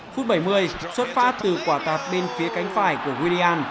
phút bảy mươi xuất phát từ quả tạp bên phía cánh phải của willian